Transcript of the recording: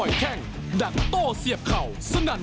อ้าวเดี๋ยวดูเลยครับว่ารุ่นพี่จะมาสอนมวยรุ่นน้อง